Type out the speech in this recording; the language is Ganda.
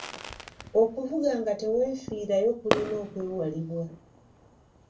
Okuvuga nga teweefiirayo kulina okwewalibwa.